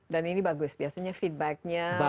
dan ini bagus biasanya feedbacknya untuk kolaborasi